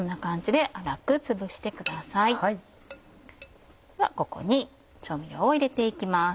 ではここに調味料を入れて行きます。